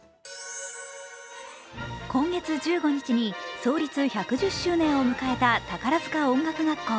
今月１５日に創立１１０周年を迎えた宝塚音楽学校。